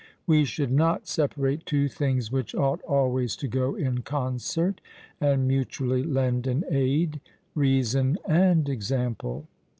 We should not separate two things which ought always to go in concert, and mutually lend an aid, reason and example!